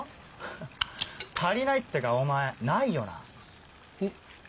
ハッ足りないってかお前ないよな？